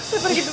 saya pergi dulu